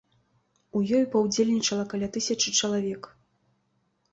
У ёй паўдзельнічала каля тысячы чалавек.